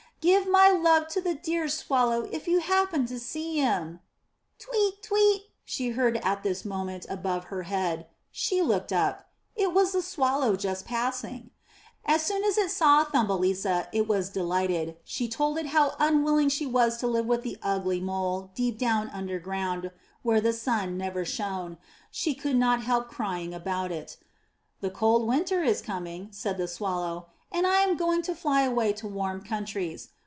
^'Give my love to the dear Swallow if you happen to see him.'* * 'Tweet, tweet,'' she heard at this moment above her head. She looked up; it was the Swallow just passing. As soon as it saw Thumbelisa it was de lighted; she told it how unwilling she was to live with the ugly Mole deep down underground where the sun never shone. She could not help crying about it. 'The cold winter is coming," said the Swallow, "and I am going to fly away to warm countries.